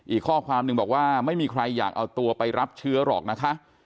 อีกข้อความหนึ่งบอกว่าไม่มีใครอยากเอาตัวไปรับเชื้อหรอกนะคะ